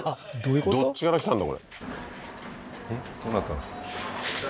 どっちから来たんだ？